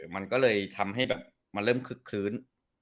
มันก็เลยทำให้แบบมันเริ่มคึกคลื้น